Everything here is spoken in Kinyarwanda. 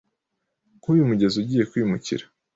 Nkuyu mugezi ugiye kwimukira